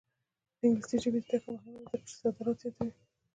د انګلیسي ژبې زده کړه مهمه ده ځکه چې صادرات زیاتوي.